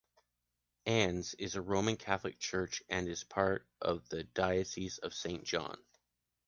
Ann’s is a roman catholic church and is part of the diocese of Saint-John.